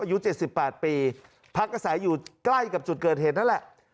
อายุเจ็ดสิบแปดปีพักกระสายอยู่ใกล้กับจุดเกิดเหตุนั่นแหละ